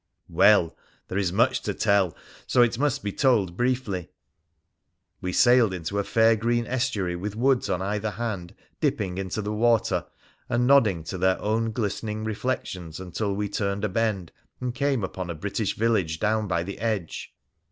Well ! There is much to tell, so it must be told briefly. We sailed into a fair green estuary, with woods on either hand dipping into the water and nodding to their own glistening reflections, until we turned a bend and came upon a British village down by the edge.